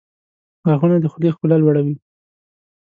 • غاښونه د خولې ښکلا لوړوي.